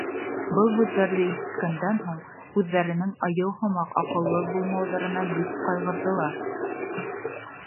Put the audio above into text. Был һүҙҙәрҙе ишеткәндән һуң, үҙҙәренең айыу һымаҡ аҡыллы булмауҙарына бик ҡайғырҙылар.